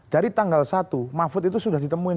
dari tanggal satu mahfud itu sudah ditemuin